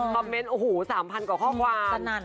คอมเมนต์๓๐๐๐กว่าข้อความ